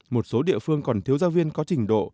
một số địa phương còn thiếu giáo viên có trình độ